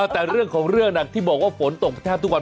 แต่เรื่องของเรื่องที่บอกว่าฝนตกแทบทุกวัน